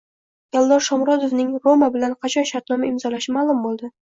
Eldor Shomurodovning “Roma” bilan qachon shartnoma imzolashi ma’lum bo‘ldi